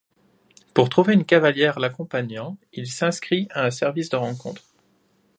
Pour trouver une cavalière l'accompagnant, il s'inscrit à un service de rencontre.